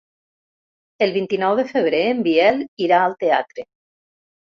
El vint-i-nou de febrer en Biel irà al teatre.